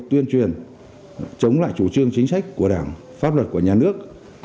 tuyên truyền chống lại chủ trương chính sách của đảng pháp luật của nhà nước